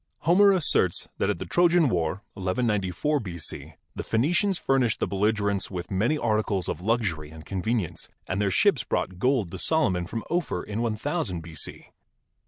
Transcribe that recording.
Homer asserts that at the Trojan War, 1194 B.C., the Phenicians furnished the belligerents with many articles of luxury and convenience, and their ships brought gold to Solomon from Ophir in IOOO B.C.